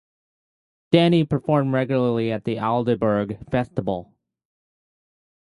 Adeney performed regularly at the Aldeburgh Festival.